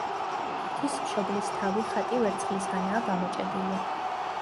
ღვთისმშობლის თავი ხატი ვერცხლისგანაა გამოჭედილი.